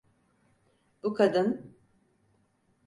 Bu kadın…